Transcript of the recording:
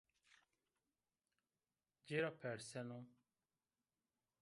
Ci ra perseno.